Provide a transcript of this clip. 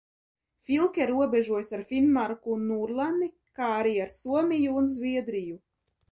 Filke robežojas ar Finnmarku un Nūrlanni, kā arī ar Somiju un Zviedriju.